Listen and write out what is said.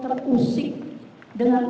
berita terkini mengenai penyelidikan dpd